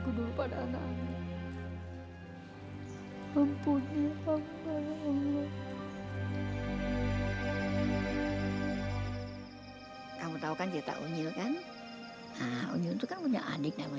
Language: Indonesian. kalau saya izin terus saya bisa dipecat gara gara mama